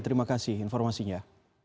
terima kasih informasinya